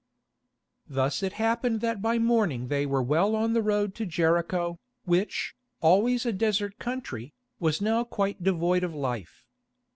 Thus it happened that by morning they were well on the road to Jericho, which, always a desert country, was now quite devoid of life.